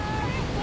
何？